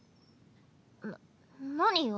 な何よ。